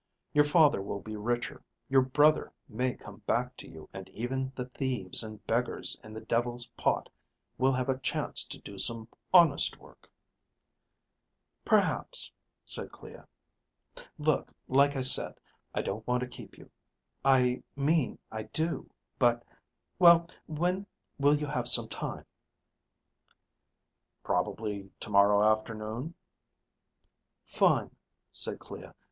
Your father will be richer. Your brother may come back to you, and even the thieves and beggars in the Devil's Pot will have a chance to do some honest work." "Perhaps," said Clea. "Look, like I said, I don't want to keep you I mean I do, but. Well, when will you have some time?" "Probably tomorrow afternoon." "Fine," said Clea.